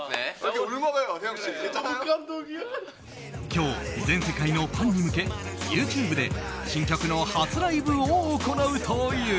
今日、全世界のファンに向けＹｏｕＴｕｂｅで新曲の初ライブを行うという。